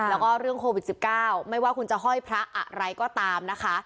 แล้วก็เรื่องโควิด๑๙ไม่ว่าคุณจะห้อยพระอะไรก็ตามนะคะ